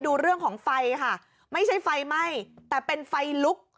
ดูเรื่องของไฟค่ะไม่ใช่ไฟไหม้แต่เป็นไฟลุก